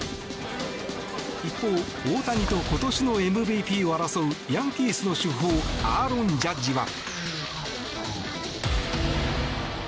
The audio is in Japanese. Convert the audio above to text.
一方、大谷と今年のＭＶＰを争うヤンキースの主砲アーロン・ジャッジは。